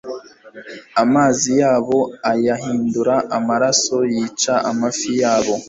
amazi yabo ayahindura amaraso, yica amafi yabo